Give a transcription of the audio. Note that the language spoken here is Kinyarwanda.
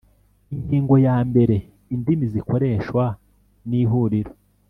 Ingingo ya mbere Indimi zikoreshwa n’Ihuriro